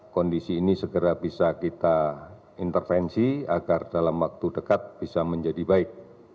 kondisi ini segera bisa kita intervensi agar dalam waktu dekat bisa menjadi baik